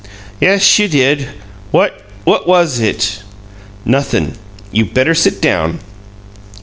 "Yes, you did. What what was it?" "Nothin'. You better sit down."